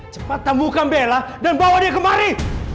cepat sembuhkan bella dan bawa dia kemari